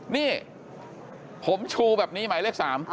นี่ผมชูแบบนี้หมายเลข๓